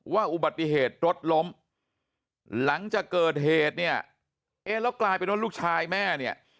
อุบัติเหตุรถล้มหลังจากเกิดเหตุเนี่ยเอ๊ะแล้วกลายเป็นว่าลูกชายแม่เนี่ย